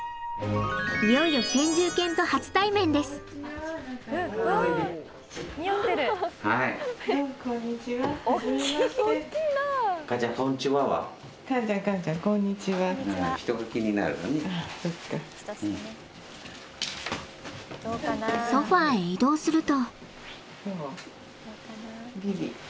いよいよソファへ移動すると。